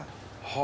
は